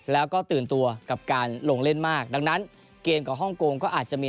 แล้วก็ตื่นตัวกับการลงเล่นมากดังนั้นเกมกับฮ่องกงก็อาจจะมี